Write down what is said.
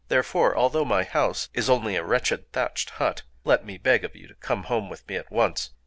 Therefore, although my house is only a wretched thatched hut, let me beg of you to come home with me at once.